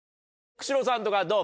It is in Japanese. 久代さんとかどう？